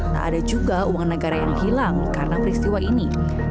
tak ada juga uang negara yang hilang karena peristiwa ini